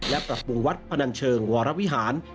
และปรับปรุงวัดพนันเชิงวรวิหาร